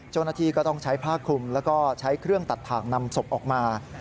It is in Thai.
เจ้าหน้าที่ก็ต้องใช้ผ้าคลุมแล้วก็ใช้เครื่องตัดถ่างนำศพออกมา